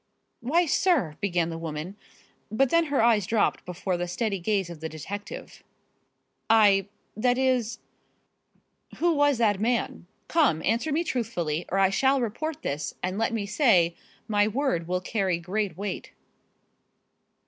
"Why, sir " began the woman, but then her eyes dropped before the steady gaze of the detective. "I that is " "Who was that man? Come, answer me truthfully, or I shall report this, and let me say, my word will carry great weight."